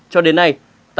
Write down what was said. cho đến nay